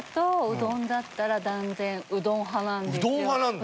うどん派なんだ。